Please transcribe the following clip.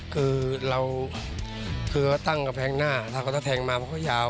คือเราตั้งกับแทงหน้าถ้าเขาต้องแทงมาก็ยาว